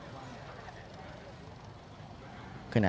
ขณะเดียวกันก็ยังคงมีกลุ่มกาด